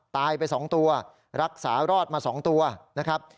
ตายไป๒ตัวรักษารอดมา๒ตัวนะครับ